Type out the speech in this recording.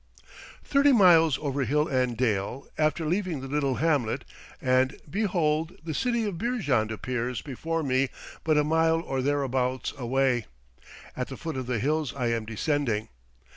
Thirty miles over hill and dale, after leaving the little hamlet, and behold, the city of Beerjand appears before me but a mile or thereabouts away, at the foot of the hills I am descending.